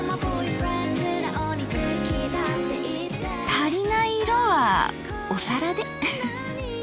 足りない色はお皿で。